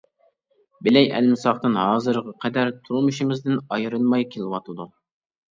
بىلەي ئەلمىساقتىن ھازىرغا قەدەر تۇرمۇشىمىزدىن ئايرىلماي كېلىۋاتىدۇ.